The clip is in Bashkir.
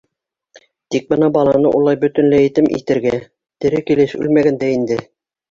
Тик бына баланы улай бөтөнләй етем итергә... тере килеш, үлмәгән дә инде.